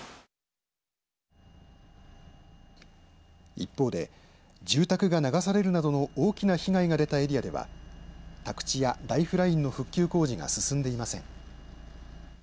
一方で、住宅が流されるなどの大きな被害が出たエリアでは宅地やライフラインの復旧工事が進んでいません。